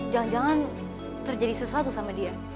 jangan jangan terjadi sesuatu sama dia